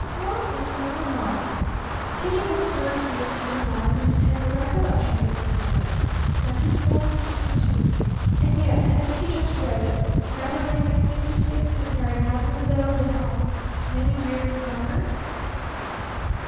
What infernal nonsense! Kitty had served merely to enliven his tender recollections of her mother. Twenty four and fifty two. And yet, hadn't he just read that Maeterlinck, fifty six, had married Mademoiselle Dahon, many years younger?